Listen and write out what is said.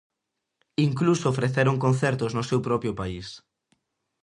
Incluso ofreceron concertos no seu propio país.